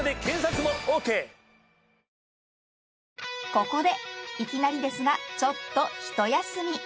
［ここでいきなりですがちょっと一休み］